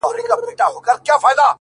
د سترگو توره سـتــا بـلا واخلـمـه ـ